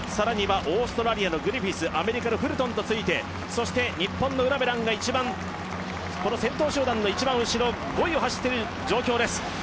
オーストラリアのグリフィスアメリカのフルトンと続いて日本の卜部蘭が先頭集団の一番後ろ５位を走っている状況です。